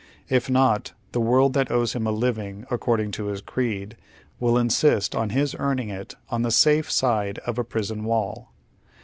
If not, the world that owes him a living, according to his creed, will insist on his earn ing it on the safe side of a prison wall.